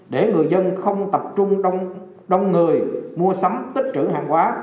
để người dân không tập trung đông người mua sắm tích trữ hàng hóa